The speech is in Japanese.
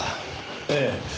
ええ。